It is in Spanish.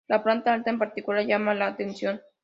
La planta alta en particular llamaba la atención.